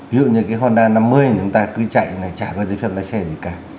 ví dụ như cái honda năm mươi chúng ta cứ chạy là trả với giấy phép lái xe gì cả